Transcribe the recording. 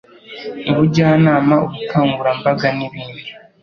ubujyanama ubukangurambaga n ibindi